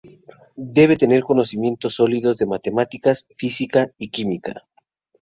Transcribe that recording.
Deben tener conocimientos sólidos de matemáticas, física y química.